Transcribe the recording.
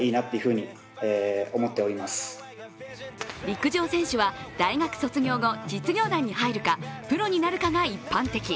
陸上選手は大学卒業後実業団に入るかプロになるかが一般的。